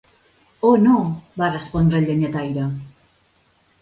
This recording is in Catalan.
"Oh, no", va respondre el llenyataire.